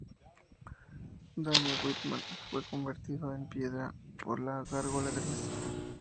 Dane Whitman fue convertido en piedra por la Gárgola Gris.